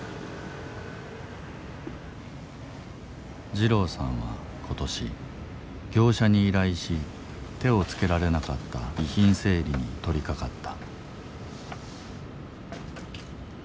二郎さんは今年業者に依頼し手を付けられなかった遺品整理に取りかかった。